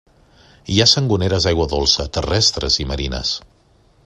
Hi ha sangoneres d'aigua dolça, terrestres i marines.